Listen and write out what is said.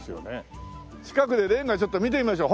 近くでレンガちょっと見てみましょう。